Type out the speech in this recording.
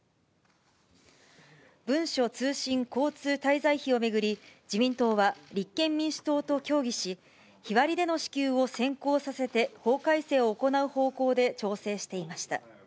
文書通信交通滞在費を巡り、自民党は立憲民主党と協議し、日割りでの支給を先行させて、法改正を行う方向で調整していました。